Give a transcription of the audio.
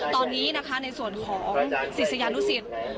ตอนนี้นะคะในส่วนของศิษยานุสิต